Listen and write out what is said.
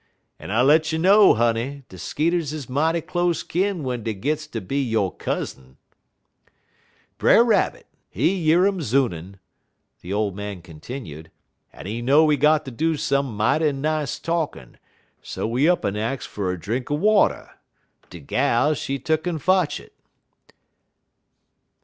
'_ en I let you know, honey, de skeeters is mighty close kin w'en dey gits ter be yo' cousin. "Brer Rabbit, he year um zoonin'," the old man continued, "en he know he got ter do some mighty nice talkin', so he up'n ax fer drink er water. De gal, she tuck'n fotch it.